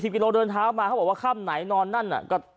กิโลเดินเท้ามาเขาบอกว่าค่ำไหนนอนนั่นน่ะ